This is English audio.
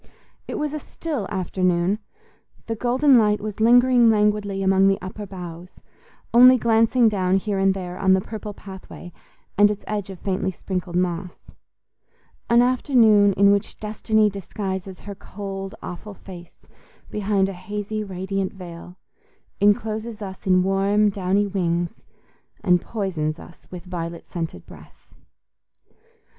It was a still afternoon—the golden light was lingering languidly among the upper boughs, only glancing down here and there on the purple pathway and its edge of faintly sprinkled moss: an afternoon in which destiny disguises her cold awful face behind a hazy radiant veil, encloses us in warm downy wings, and poisons us with violet scented breath.